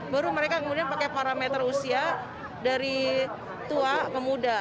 baru mereka kemudian pakai parameter usia dari tua ke muda